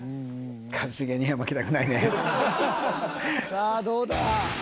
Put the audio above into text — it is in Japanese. ［さあどうだ］